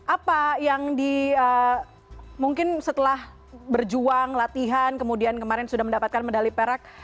apa yang di mungkin setelah berjuang latihan kemudian kemarin sudah mendapatkan medali perak